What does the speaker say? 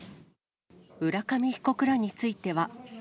浦上被告らについては。